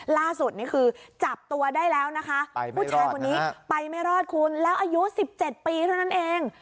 ล่าสุดนี่คือจับตัวได้แล้วนะคะผู้ชายคนนี้ไปไม่รอดคุณแล้วอายุ๑๗ปีเท่านั้นเอง